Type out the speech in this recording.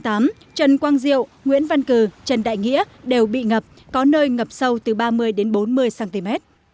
trần quang diệu nguyễn văn cử trần đại nghĩa đều bị ngập có nơi ngập sâu từ ba mươi đến bốn mươi cm